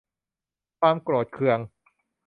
ความโกรธเคือง